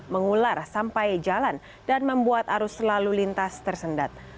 mengular sampai jalan dan membuat arus lalu lintas tersendat